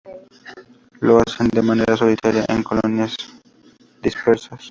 Lo hacen de manera solitaria o en colonias dispersas.